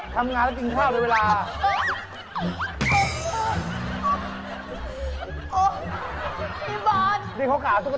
เกิดอะไรนะทำไมล่ะเจ๊เอาให้